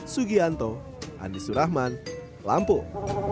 sugianto andi surahman lampung